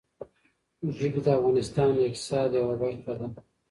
ژبې د افغانستان د اقتصاد یوه برخه ده.